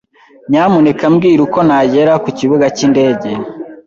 Nyamuneka mbwira uko nagera ku kibuga cyindege.